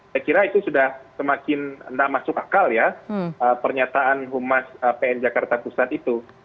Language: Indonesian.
saya kira itu sudah semakin tidak masuk akal ya pernyataan humas pn jakarta pusat itu